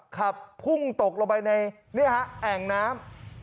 ขับพุ่งตกลงไปในนี่ฮะแอ่งน้ำ